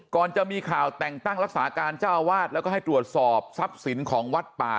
ก่อนจะมีข่าวแต่งตั้งรักษาการเจ้าวาดแล้วก็ให้ตรวจสอบทรัพย์สินของวัดป่า